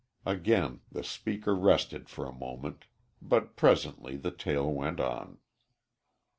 Again the speaker rested for a moment, but presently the tale went on.